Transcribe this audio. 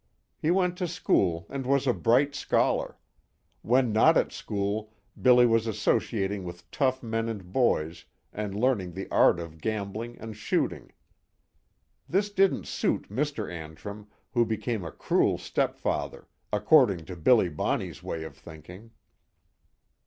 He went to school and was a bright scholar. When not at school, Billy was associating with tough men and boys, and learning the art of gambling and shooting. This didn't suit Mr. Antrim, who became a cruel step father, according to Billy Bonney's way of thinking.